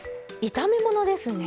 炒め物ですね。